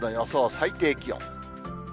最低気温。